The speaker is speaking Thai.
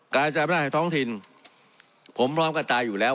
การจับหน้าให้ท้องถิ่นผมร้องกระจายอยู่แล้ว